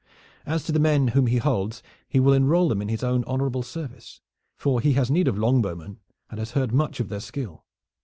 As to the men whom he holds, he will enroll them in his own honorable service, for he has need of longbowmen, and has heard much of their skill.